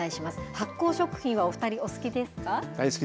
発酵食品は、お２人、お好きですか？